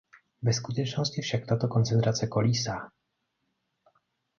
Ve skutečnosti však tato koncentrace kolísá.